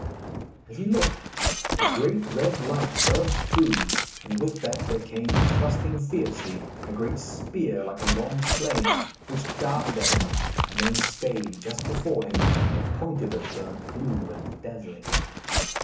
As he looked, a great red light burst through, and with that there came, thrusting fiercely, a great spear like a long flame, which darted at him, and then stayed just before him. The point of it burned blue and dazzling.